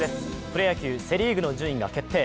プロ野球、セ・リーグの順位が決定。